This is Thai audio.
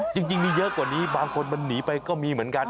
จริงมีเยอะกว่านี้บางคนมันหนีไปก็มีเหมือนกัน